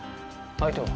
相手は？